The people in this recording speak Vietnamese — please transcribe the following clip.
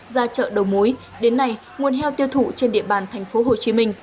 ra chợ đầu mối đến nay nguồn heo tiêu thụ trên địa bàn thành phố hồ chí minh